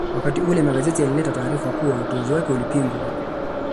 Wakati ule magazeti yalileta taarifa kuwa uteuzi wake ulipingwa